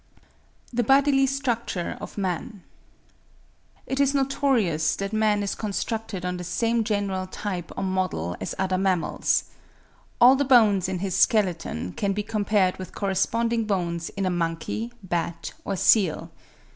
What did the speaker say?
THE BODILY STRUCTURE OF MAN. It is notorious that man is constructed on the same general type or model as other mammals. All the bones in his skeleton can be compared with corresponding bones in a monkey, bat, or seal.